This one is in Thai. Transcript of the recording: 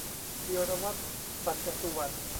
ธีรวัฒน์ สัจสุวรรณ